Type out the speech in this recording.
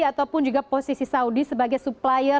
ataupun juga posisi saudi sebagai supplier